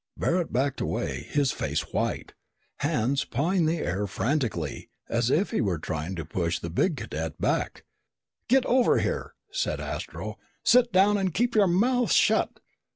Barret backed away, his face white, hands pawing the air frantically as if he were trying to push the big cadet back. "Get over there," said Astro. "Sit down and keep your mouth shut!"